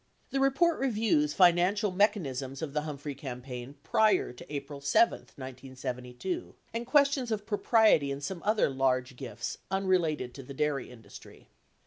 The report reviews financial mechanisms of the Hum phrey campaign prior to April 7, 1972 and questions of propriety in some other large gifts unrelated to the dairy industry.